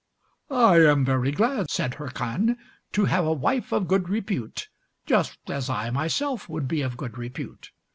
"I am very glad," said Hircan, "to have a wife of good repute, just as I, myself, would be of good repute.